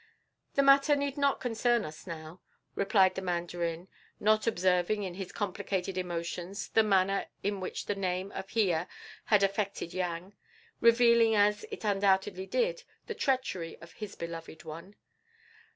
"The matter need not concern us now," replied the Mandarin, not observing in his complicated emotions the manner in which the name of Hiya had affected Yang, revealing as it undoubtedly did the treachery of his beloved one.